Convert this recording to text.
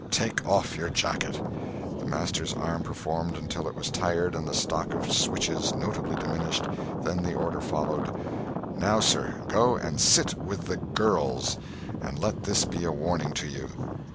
Take off your jacket." The master's arm performed until it was tired and the stock of switches notably diminished. Then the order followed: "Now, sir, go and sit with the girls! And let this be a warning to you."